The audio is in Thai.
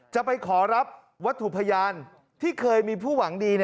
จะไปขอรับวัตถุพยานที่เคยมีผู้หวังดี